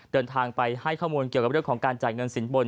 เดินทางไปให้ข้อมูลเกี่ยวกับเรื่องของการจ่ายเงินสินบน